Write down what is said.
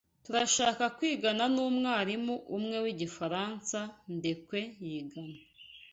Turashaka kwigana numwarimu umwe wigifaransa Ndekwe yigana.